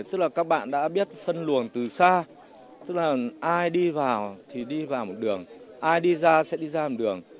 tức là các bạn đã biết phân luồng từ xa tức là ai đi vào thì đi vào một đường ai đi ra sẽ đi ra một đường